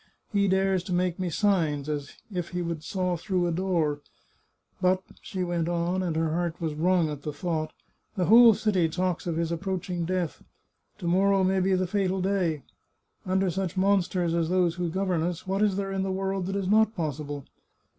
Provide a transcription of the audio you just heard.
He dares to make me signs, as if he would saw through a door. ... But," she went on, and her heart was wrung at the thought, " the whole city talks of his approaching death. ... To morrow may be the fatal day. ... Under such monsters as those who govern us, what is there in the world that is not possible?